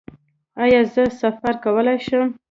ایا زه سفر کولی شم؟